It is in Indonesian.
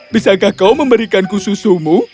bisa kau memberikanku susumu